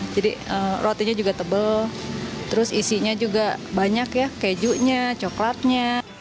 jadi rotinya juga tebal terus isinya juga banyak ya kejunya coklatnya